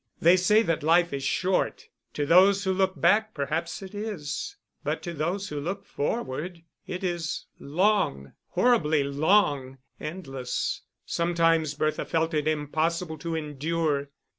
They say that life is short. To those who look back perhaps it is; but to those who look forward it is long, horribly long endless. Sometimes Bertha felt it impossible to endure.